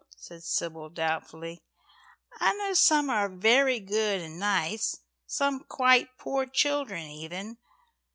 said Sybil doubtfully. "I know some are very good and nice some quite poor children even.